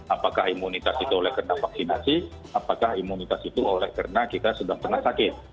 apakah imunitas itu oleh karena vaksinasi apakah imunitas itu oleh karena kita sudah pernah sakit